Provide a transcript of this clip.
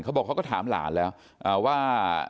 บอกเขาก็ถามหลานแล้วว่า